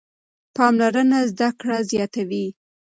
پاملرنه زده کړه زیاتوي.